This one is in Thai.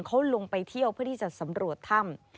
เขาลงไปเที่ยวเพื่อที่จะสำรวจถ้ำ